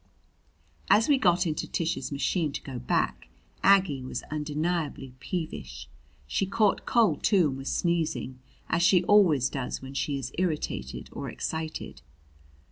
As we got into Tish's machine to go back, Aggie was undeniably peevish. She caught cold, too, and was sneezing as she always does when she is irritated or excited.